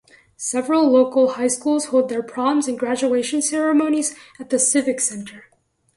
Several local high schools hold their proms and graduation ceremonies at the Civic Center.